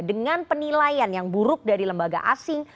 dengan penilaian yang buruk dari lembaga asing